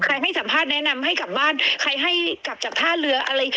ให้สัมภาษณ์แนะนำให้กลับบ้านใครให้กลับจากท่าเรืออะไรอย่างนี้